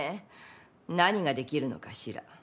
何ができるのかしら？